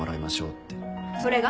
それが？